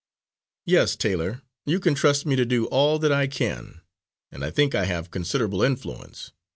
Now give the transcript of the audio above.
"Yes, Taylor, you can trust me to do all that I can, and I think I have considerable influence.